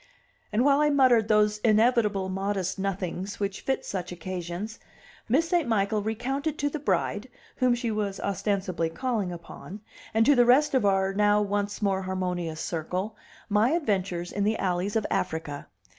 And while I muttered those inevitable modest nothings which fit such occasions, Miss St. Michael recounted to the bride, whom she was ostensibly calling upon, and to the rest of our now once more harmonious circle, my adventures in the alleys of Africa.